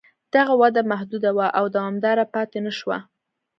دغه وده محدوده وه او دوامداره پاتې نه شوه